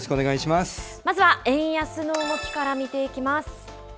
まずは円安の動きから見ていきます。